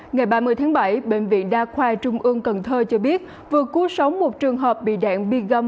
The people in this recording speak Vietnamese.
ngày ba mươi tháng bảy bệnh viện đa khoa trung ương cần thơ cho biết vừa cuối sống một trường hợp bị đạn bi gâm